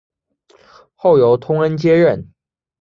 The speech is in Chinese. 后由通恩接任。